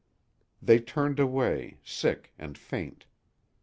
They turned away, sick and faint.